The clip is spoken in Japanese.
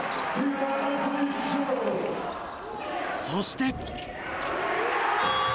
そして。